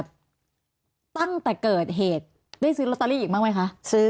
ตั้งแต่เกิดเหตุได้ซื้อลอตเตอรี่อีกบ้างไหมคะ